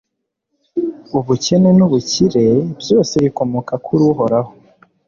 ubukene n'ubukire, byose bikomoka kuri uhoraho